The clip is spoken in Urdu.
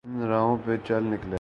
ان راہوں پہ چل نکلے۔